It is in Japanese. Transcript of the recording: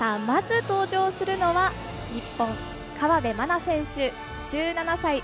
まず、登場するのは日本河辺愛菜選手、１７歳。